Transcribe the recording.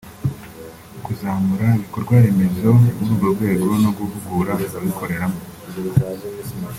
kuzamura ibikorwaremezo muri uru rwego no guhugura ababikoramo